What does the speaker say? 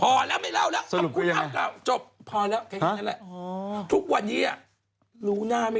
กระเทยเก่งกว่าเออแสดงความเป็นเจ้าข้าว